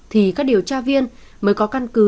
thì các điều tra viên mới có căn cứ